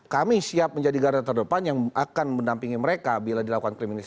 kami siap menjadi garda terdepan yang akan mendampingi mereka bila dilakukan kriminalisasi